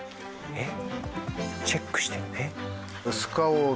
えっ？